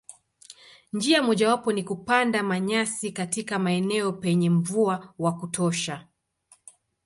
Njia mojawapo ni kupanda manyasi katika maeneo penye mvua wa kutosha.